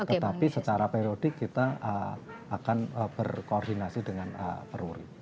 tetapi secara periodik kita akan berkoordinasi dengan peruri